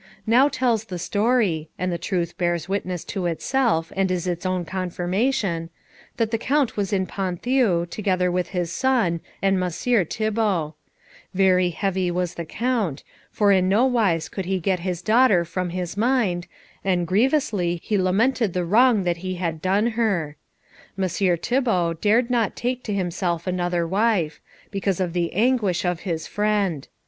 Now tells the story and the truth bears witness to itself and is its own confirmation that the Count was in Ponthieu, together with his son, and Messire Thibault. Very heavy was the Count, for in no wise could he get his daughter from his mind, and grievously he lamented the wrong that he had done her. Messire Thibault dared not take to himself another wife, because of the anguish of his friend.